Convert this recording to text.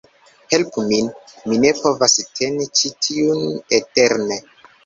"Helpu min! Mi ne povas teni ĉi tiun eterne"